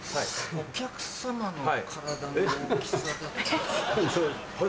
お客さまの体の大きさだと。